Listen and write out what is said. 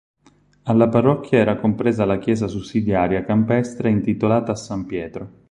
Alla parrocchia era compresa la chiesa sussidiaria campestre intitolata a san Pietro.